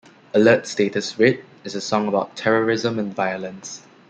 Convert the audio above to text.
"Alert Status Red" is a song about terrorism and violence.